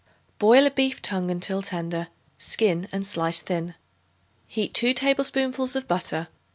Boil a beef tongue until tender; skin and slice thin. Heat 2 tablespoonfuls of butter.